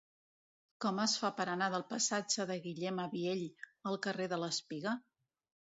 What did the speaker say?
Com es fa per anar del passatge de Guillem Abiell al carrer de l'Espiga?